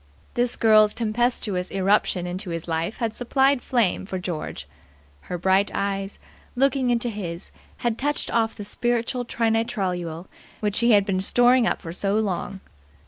This girl's tempestuous irruption into his life had supplied flame for George. Her bright eyes, looking into his, had touched off the spiritual trinitrotoluol which he had been storing up for so long.